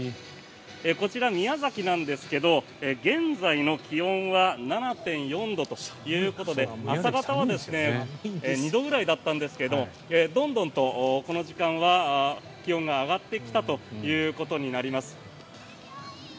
こちら、宮崎なんですが現在の気温は７．４度ということで朝方は２度ぐらいだったんですがどんどんと、この時間は気温が上がってきたということになります。